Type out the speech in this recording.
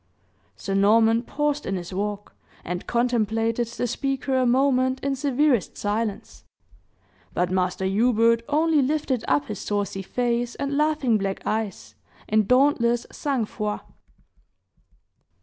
Sir Norman paused in his walk, and contemplated the speaker a moment in severest silence. But Master Hubert only lifted up his saucy face and laughing black eyes, in dauntless sang froid.